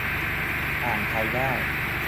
อ่านไทยได้